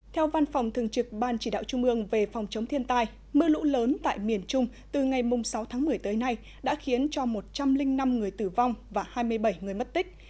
theo văn phòng thường trực ban chỉ đạo trung ương về phòng chống thiên tai mưa lũ lớn tại miền trung từ ngày sáu tháng một mươi tới nay đã khiến cho một trăm linh năm người tử vong và hai mươi bảy người mất tích